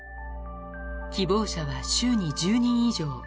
希望者は週に１０人以上。